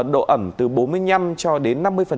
độ ẩm từ bốn mươi năm cho đến